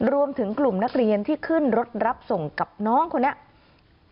รวมถึงกลุ่มนักเรียนที่ขึ้นรถรับส่งกับน้องคนนี้